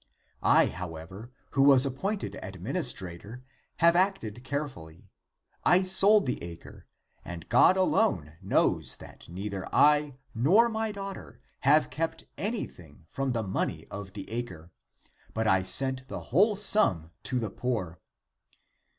I, however, who was appointed administrator, have acted carefully. I sold the acre, and God alone knows that neither I nor my daughter have kept anything from the money of the acre, but I sent the whole sum to the poor.